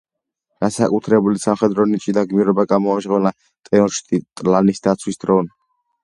განსაკუთრებული სამხედრო ნიჭი და გმირობა გამოამჟღავნა ტენოჩტიტლანის დაცვის დროს.